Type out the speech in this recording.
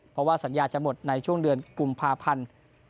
เพราะว่าสัญญาจะหมดในช่วงเดือนกุมภาพันธ์